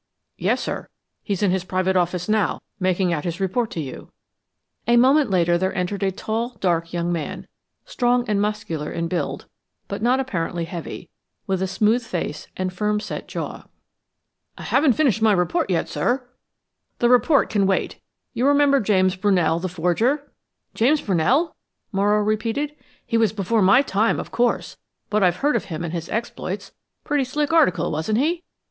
"Yes, sir. He's in his private office now, making out his report to you." A moment later, there entered a tall, dark young man, strong and muscular in build, but not apparently heavy, with a smooth face and firm set jaw. "I haven't finished my report yet, sir " "The report can wait. You remember James Brunell, the forger?" "James Brunell?" Morrow repeated. "He was before my time, of course, but I've heard of him and his exploits. Pretty slick article, wasn't he!